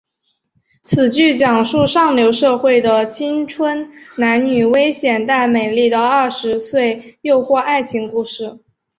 此剧讲述上流社会的青春男女危险但美丽的二十岁诱惑爱情故事。